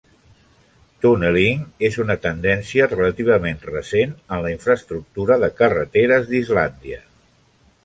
Tunneling és una tendència relativament recent en la infraestructura de carreteres d'Islàndia.